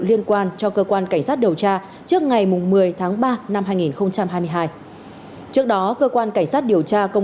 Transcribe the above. liên quan cho cơ quan cảnh sát điều tra trước ngày một mươi tháng ba năm hai nghìn hai mươi hai trước đó cơ quan cảnh sát điều tra công